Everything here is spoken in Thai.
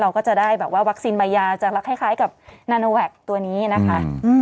เราก็จะได้แบบว่าวัคซีนใบยาจะรักคล้ายกับนาโนแวคตัวนี้นะคะ